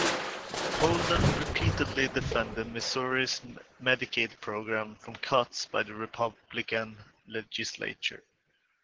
Holden repeatedly defended Missouri's Medicaid program from cuts by the Republican legislature.